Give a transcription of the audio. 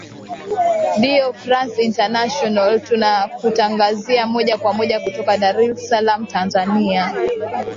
dio france international tunakutanzazia moja kwa moja kutoka dar es salaam tanzania